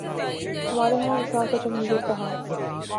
ہمارے ہاں انصاف اور جمہوریت کا حال۔